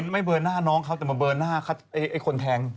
ไม่เบอร์หน้าน้องเขาแต่มาเบอร์หน้าไอ้คนแทง